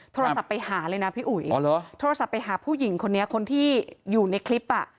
โทรศัพท์ไปหาเลยนะพี่อุ๋ยโทรศัพท์ไปหาผู้หญิงคนนี้คนที่อยู่ในคลิปอ่ะ